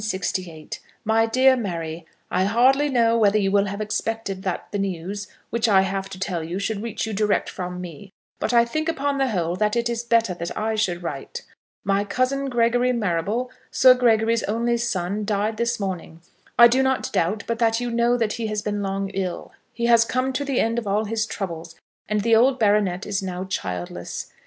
MY DEAR MARY, I hardly know whether you will have expected that the news which I have to tell you should reach you direct from me; but I think, upon the whole, that it is better that I should write. My cousin, Gregory Marrable, Sir Gregory's only son, died this morning. I do not doubt but that you know that he has been long ill. He has come to the end of all his troubles, and the old baronet is now childless.